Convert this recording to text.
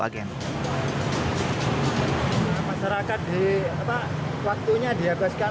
agen masyarakat di